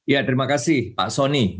ya terima kasih pak soni